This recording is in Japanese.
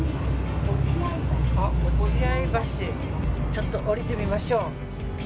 ちょっと降りてみましょう。